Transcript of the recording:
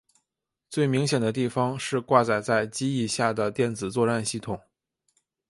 最明显的地方是挂载在机翼下的电子作战系统。